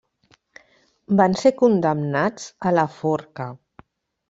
Van ser condemnats a la forca.